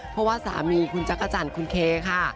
เพราะว่าสามีคุณจักรจันทร์คุณเคค่ะ